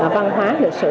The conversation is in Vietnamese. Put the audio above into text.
văn hóa lịch sử